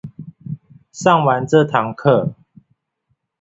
上完這堂課